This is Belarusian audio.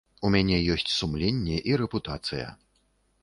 У мяне ёсць сумленне і рэпутацыя.